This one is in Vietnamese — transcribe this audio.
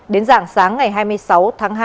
đến dạng sáng ngày hai mươi sáu tháng hai